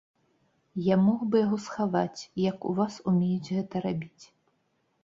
Я мог бы яго схаваць, як у вас умеюць гэта рабіць.